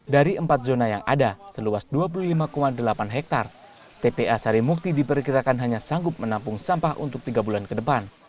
dari empat zona yang ada seluas dua puluh lima delapan hektare tpa sarimukti diperkirakan hanya sanggup menampung sampah untuk tiga bulan ke depan